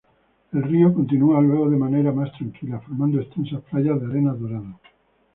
El río continúa luego de manera más tranquila formando extensas playas de arenas doradas.